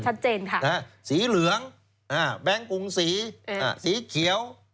ชัดเจนค่ะสีเหลืองแบงค์กรุงสีสีเขียว